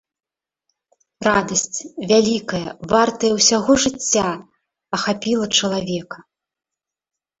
Радасць, вялікая, вартая ўсяго жыцця, ахапіла чалавека.